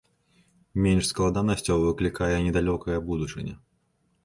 Менш складанасцяў выклікае недалёкая будучыня.